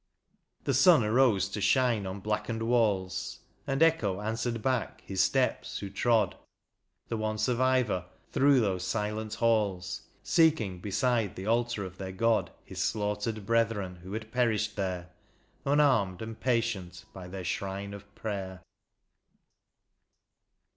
The sun arose to shine on blackened walls, And echo answered back his steps who trod (The one survivor) through those silent halls. Seeking beside the altar of their God His slaughtered brethren, who had perished there. Unarmed and patient, by their shrine of prayer.